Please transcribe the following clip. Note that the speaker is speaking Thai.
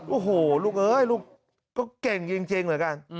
โอ้โหลูกเอ้ยลูกก็เก่งจริงเหมือนกัน